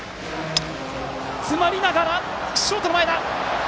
詰まりながら、ショート前だ！